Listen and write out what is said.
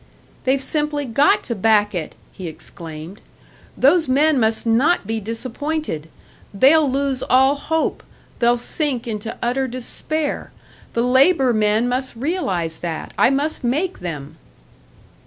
"They've simply got to back it!" he exclaimed. "Those men must not be disappointed! They'll lose all hope, they'll sink into utter despair! The labour men must realise that I must make them!"